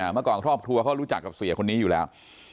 เมื่อก่อนครอบครัวเขารู้จักกับเสียคนนี้อยู่แล้ว